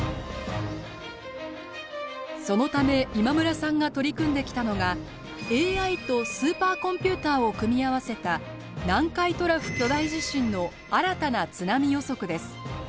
そのため今村さんが取り組んできたのがＡＩとスーパーコンピューターを組み合わせた南海トラフ巨大地震の新たな津波予測です。